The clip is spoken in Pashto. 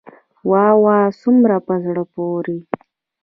واه واه څومره په زړه پوري.